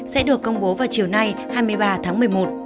sẽ được công bố vào chiều nay hai mươi ba tháng một mươi một